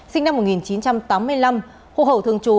sinh năm một nghìn chín trăm tám mươi năm hồ hậu thương chú